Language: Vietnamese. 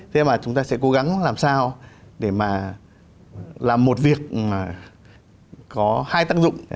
thế mà chúng ta sẽ cố gắng làm sao để mà làm một việc có hai tác dụng